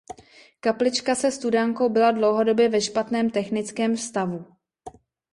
Kaplička se studánkou byla dlouhodobě ve špatném technickém stavu.